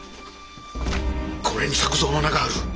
これに作藏の名がある。